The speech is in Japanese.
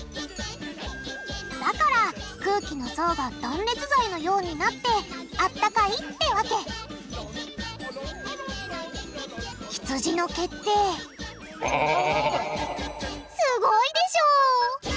だから空気の層が断熱材のようになってあったかいってわけひつじの毛ってすごいでしょ！